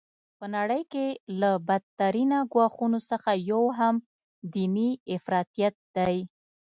په نړۍ کي له بد ترینه ګواښونو څخه یو هم دیني افراطیت دی.